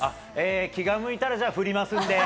気が向いたら、じゃあ、振りますんで。